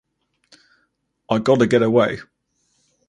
I gotta get away.